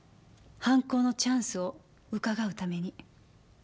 犯行のチャンスをうかがうために。